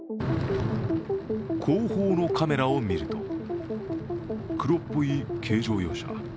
後方のカメラを見ると黒っぽい軽乗用車。